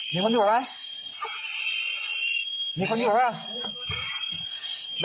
มีคนอยู่หรอมีคนอยู่หรอ